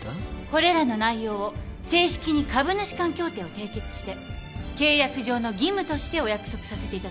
これらの内容を正式に株主間協定を締結して契約上の義務としてお約束させていただきます。